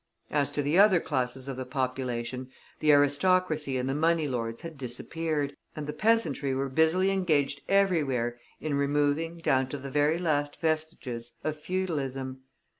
As to the other classes of the population, the aristocracy and the money lords had disappeared, and the peasantry were busily engaged everywhere in removing, down to the very last vestiges of feudalism.